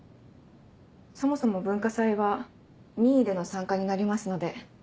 そもそも文化祭は任意での参加になりますので。